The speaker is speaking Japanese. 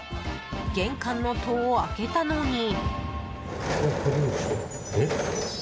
玄関の戸を開けたのに。